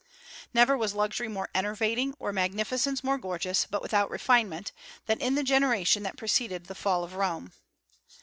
Never was luxury more enervating, or magnificence more gorgeous, but without refinement, than in the generation that preceded the fall of Rome.